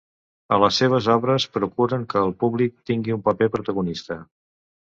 A les seves obres procuren que el públic tingui un paper protagonista.